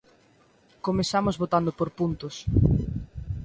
Comezamos votando por puntos.